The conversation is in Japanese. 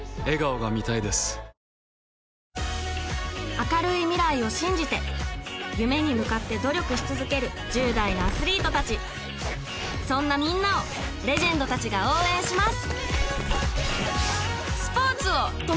明るい未来を信じて夢に向かって努力し続ける１０代のアスリート達そんなみんなをレジェンド達が応援します